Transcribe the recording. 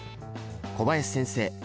小林先生